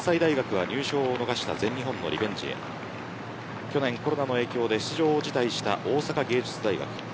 関西大学は入賞を逃した全日本のリベンジへ去年、コロナの影響で出場を辞退した大阪芸術大学。